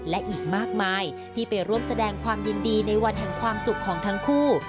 และอีกมากมายที่ไปร่วมแสดงความยินดีในวันแห่งความสุขของทั้งคู่